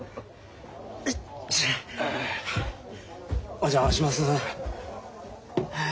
お邪魔します。